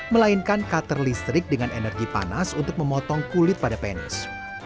melainkan cutter listrik dengan energi panas untuk memotong kulit pada penis